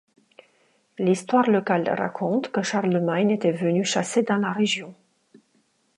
L'histoire locale raconte que Charlemagne était venu chasser dans la région.